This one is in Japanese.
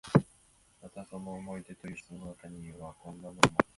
またその「思い出」という小説の中には、こんなのもある。